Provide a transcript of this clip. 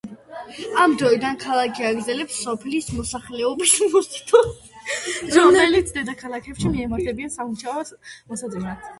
ამ დროიდან ქალაქი აგრძელებს სოფლის მოსახლეობის მოზიდვას, რომლებიც დედაქალაქში მიემართებიან სამუშაოს მოსაძებნად.